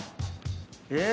え！